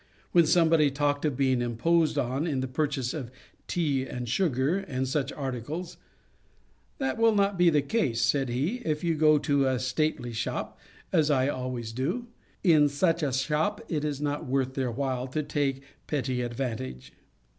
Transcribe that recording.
When somebody talked of being imposed on in the purchase of tea and sugar, and such articles: 'That will not be the case, (said he,) if you go to a stately shop, as I always do. In such a shop it is not worth their while to take a petty advantage.'